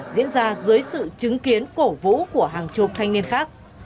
diễn ra dưới sự chứng kiến cổ vũ của hàng chục thanh niên khác